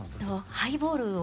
ハイボールを。